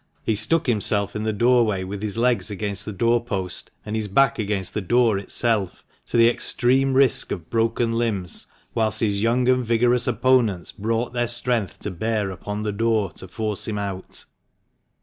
He stuck himself in the doorway with his legs against the door post, and his back against the door itself, to the extreme risk of broken limbs, whilst his young and vigorous opponents brought their strength to bear upon the door to force him out.